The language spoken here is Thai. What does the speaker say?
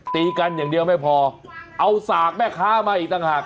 ตีกันอย่างเดียวไม่พอเอาสากแม่ค้ามาอีกต่างหาก